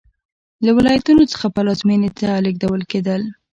له ولایتونو څخه پلازمېنې ته لېږدول کېدل.